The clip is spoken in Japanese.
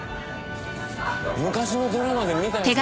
昔のドラマで見たやつだ